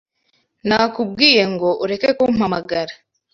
Nakubwiye ngo ureke kumpamagara.